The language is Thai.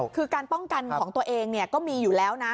คือการป้องกันของตัวเองก็มีอยู่แล้วนะ